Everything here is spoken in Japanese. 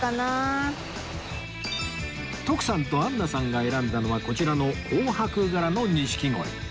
徳さんとアンナさんが選んだのはこちらの紅白柄の錦鯉